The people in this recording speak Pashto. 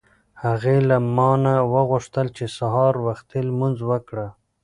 هغې له ما نه وغوښتل چې سهار وختي لمونځ وکړه.